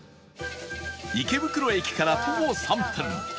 池袋駅から徒歩３分